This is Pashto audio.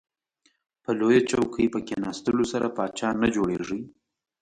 په لویه چوکۍ په کیناستلو سره پاچا نه جوړیږئ.